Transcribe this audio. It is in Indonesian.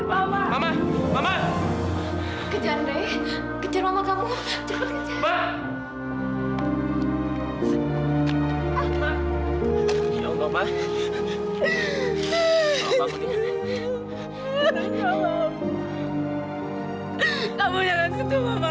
sampai jumpa di video selanjutnya